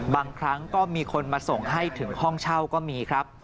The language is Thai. บางครั้งก็มีคนมาส่งให้ถึงห้องเช่าก็มีครับ